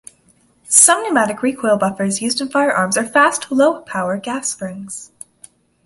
Some pneumatic recoil buffers used in firearms are fast, low-power gas springs.